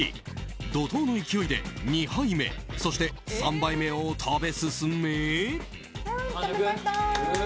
怒涛の勢いで２杯目そして、３杯目を食べ進め。